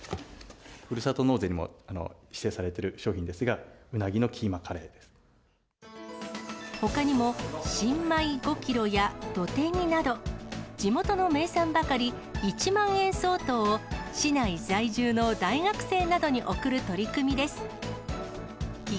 ふるさと納税にも指定されている商品ですが、鰻のキーマカレーでほかにも、新米５キロやどて煮など、地元の名産ばかり、１万円相当を市内在住の大学生などに送る取り組みです。